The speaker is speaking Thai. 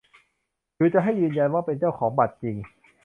คือจะให้ยืนยันว่าเป็นเจ้าของบัตรจริง